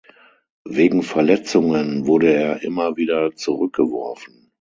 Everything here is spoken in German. Wegen Verletzungen wurde er immer wieder zurückgeworfen.